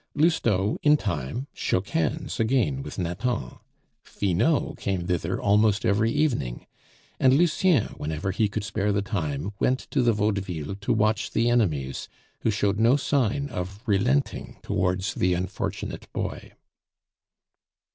Lousteau, in time, shook hands again with Nathan; Finot came thither almost every evening; and Lucien, whenever he could spare the time, went to the Vaudeville to watch the enemies, who showed no sign of relenting towards the unfortunate boy.